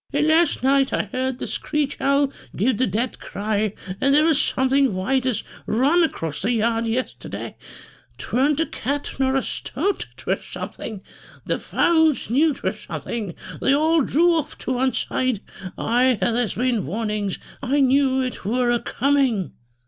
An' last night I heard the screech owl give the death cry, and there were something white as run across the yard yesterday; 'tweren't a cat nor a stoat, 'twere something. The fowls knew 'twere something; they all drew off to one side. Ay, there's been warnings. I knew it were a coming."